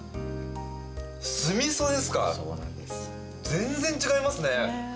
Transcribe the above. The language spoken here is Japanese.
全然違いますね。